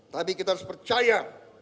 tapi kita harus percaya